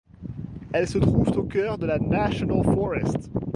Elle se trouve au cœur de la National Forest.